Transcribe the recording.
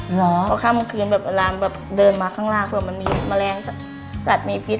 เพราะข้างบนขึ้นเวลาเดินมาข้างล่างมันมีแมลงสัตว์มีพิษ